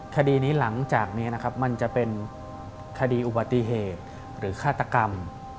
คดีนี้หลังจากนี้นะครับมันจะเป็นคดีอุบัติเหตุหรือฆาตกรรม